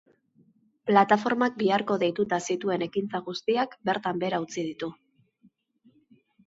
Plataformak biharko deituta zituen ekintza guztiak bertan behera utzi ditu.